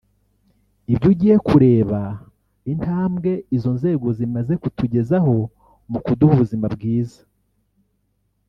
Ibyo ugiye kureba intambwe izo nzego zimaze kutugezaho mu kuduha ubuzima bwiza